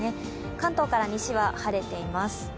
関東から西は晴れています。